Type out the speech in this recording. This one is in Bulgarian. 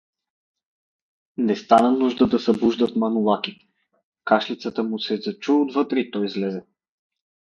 Не стана нужда да събуждат Манолаки: кашлицата му се зачу отвътре и той излезе.